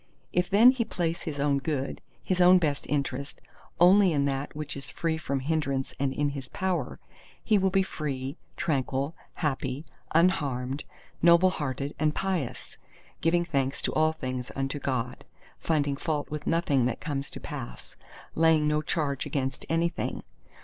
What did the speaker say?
If then he place his own good, his own best interest, only in that which is free from hindrance and in his power, he will be free, tranquil, happy, unharmed, noble hearted, and pious; giving thanks to all things unto God, finding fault with nothing that comes to pass, laying no charge against anything.